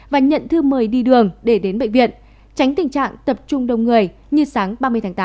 và nhận thư mời đi đường để đến bệnh viện tránh tình trạng tập trung đông người như sáng ba mươi tháng tám